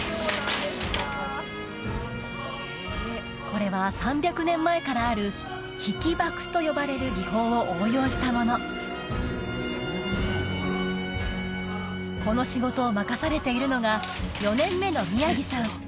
これは３００年前からある引箔と呼ばれる技法を応用したものこの仕事を任されているのが４年目の宮城さん